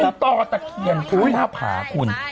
ตรงตอตะเคียนทางภาคุณ